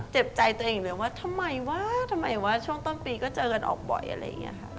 เจ็บใจตัวเองเลยว่าทำไมว่าช่วงต้นปีเจอเยอะออกบ่อย